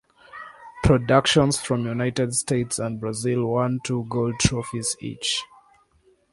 Productions from United States and Brazil won two Gold Trophies each.